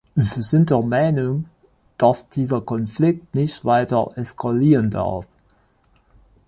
Wir sind der Meinung, dass dieser Konflikt nicht weiter eskalieren darf.